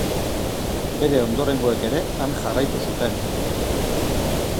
Bere ondorengoek ere han jarraitu zuten.